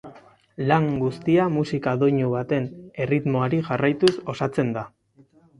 Lan guztia musika doinu baten erritmoari jarraituz osatzen da.